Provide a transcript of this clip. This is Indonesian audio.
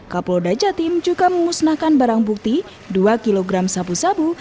kapolodajatim juga memusnahkan barang bukti dua kg sabu sabu